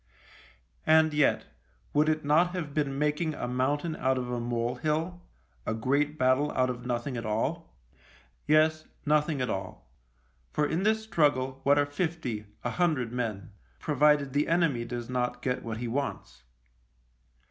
And yet, would it not have been making a mountain out of a mole hill — a great battle out of nothing at all ? Yes, nothing at all ; for in this struggle what are fifty, a hundred men — provided the enemy does not get what it wants